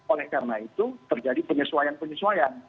oleh karena itu terjadi penyesuaian penyesuaian